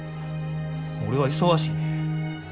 俺は忙しいねん。